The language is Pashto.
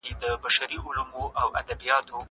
لوستل وکړه!.